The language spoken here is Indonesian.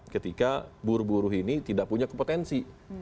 ketika buruh buruh ini tidak punya kompetensi